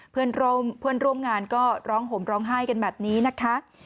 เพื่อนร่วมงานก็ร้องห่มร้องไห้กันแบบนี้นะคะ